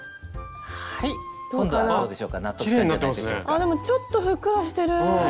あっでもちょっとふっくらしてる。